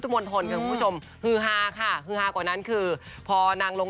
ถอยนี้ส่วนห้องค่ะก่อนนั้นคือพอนางลอง